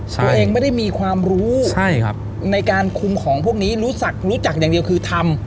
ใช่ตัวเองไม่ได้มีความรู้ใช่ครับในการคุมของพวกนี้รู้สักรู้จักอย่างเดียวคือทำ